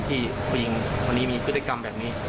ผู้หญิงคนนี้มีพฤติกรรมแบบนี้